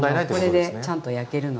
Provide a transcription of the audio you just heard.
これでちゃんと焼けるので。